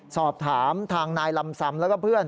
สอบถามทางนายลำซำแล้วก็เพื่อน